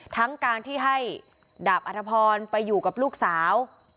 ทั้งการที่ให้ดาบอัธพรไปอยู่กับลูกสาว